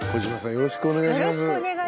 よろしくお願いします。